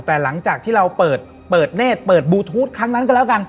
แต่หลังจากที่เราเปิดเนธเปิดบลูทูธครั้งนั้นก็แล้วกัน